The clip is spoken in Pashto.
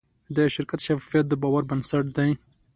د شرکت شفافیت د باور بنسټ دی.